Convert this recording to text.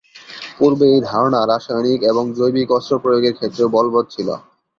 পূর্বে এই ধারণা রাসায়নিক এবং জৈবিক অস্ত্র প্রয়োগের ক্ষেত্রেও বলবৎ ছিল।